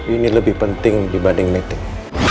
ini lebih penting dibanding meeting